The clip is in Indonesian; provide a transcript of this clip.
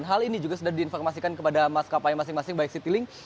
hal ini juga sudah diinformasikan kepada maskapai masing masing baik citylink